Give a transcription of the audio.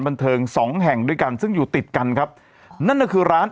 บันเทิงสองแห่งด้วยกันซึ่งอยู่ติดกันครับนั่นก็คือร้าน